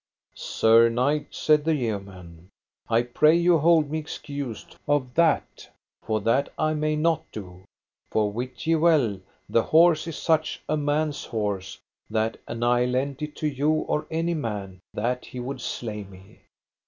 Sir knight, said the yeoman, I pray you hold me excused of that, for that I may not do. For wit ye well, the horse is such a man's horse, that an I lent it you or any man, that he would slay me.